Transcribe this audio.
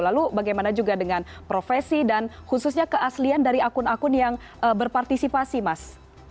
lalu bagaimana juga dengan profesi dan khususnya keaslian dari akun akun yang berpartisipasi mas